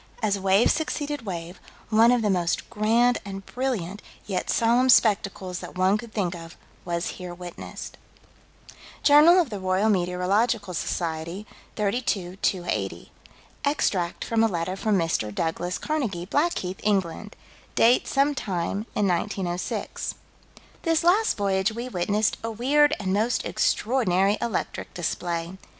"As wave succeeded wave, one of the most grand and brilliant, yet solemn, spectacles that one could think of, was here witnessed." Jour. Roy. Met. Soc., 32 280: Extract from a letter from Mr. Douglas Carnegie, Blackheath, England. Date some time in 1906 "This last voyage we witnessed a weird and most extraordinary electric display."